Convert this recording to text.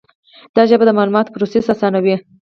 دا ژبه د معلوماتو پروسس آسانوي.